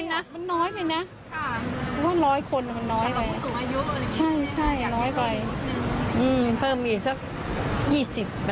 มันน้อยไปนะร้อยคนมันน้อยไปใช่ใช่น้อยไปอืมเพิ่มอีกสัก